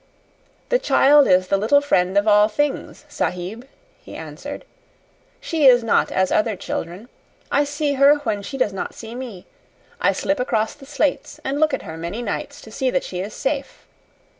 "The child is the little friend of all things, Sahib," he answered. "She is not as other children. I see her when she does not see me. I slip across the slates and look at her many nights to see that she is safe.